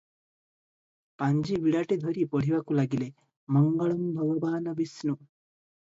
ପାଞ୍ଜିବିଡ଼ାଟି ଧରି ପଢ଼ିବାକୁ ଲାଗିଲେ - "ମଙ୍ଗଳଂ ଭଗବାନ ବିଷ୍ଣୁ"